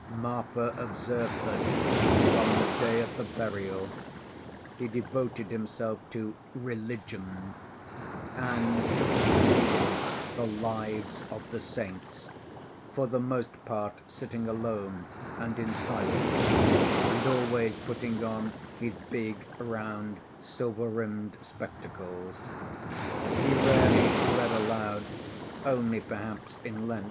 Marfa observed that, from the day of the burial, he devoted himself to "religion," and took to reading the Lives of the Saints, for the most part sitting alone and in silence, and always putting on his big, round, silver‐rimmed spectacles. He rarely read aloud, only perhaps in Lent.